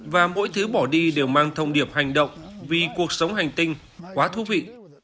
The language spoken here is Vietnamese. và mỗi thứ bỏ đi đều mang thông điệp hành động vì cuộc sống hành tinh quá thú vị